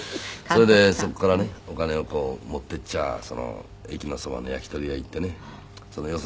それでそこからねお金をこう持っていっちゃ駅のそばの焼き鳥屋行ってねよ